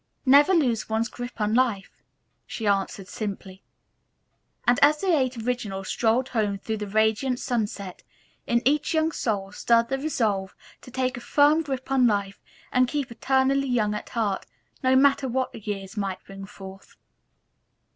"Never lose one's grip on life," she answered simply. And as the Eight Originals strolled home through the radiant sunset, in each young soul stirred the resolve to take a firm grip on life and keep eternally young at heart, no matter what the years might bring forth.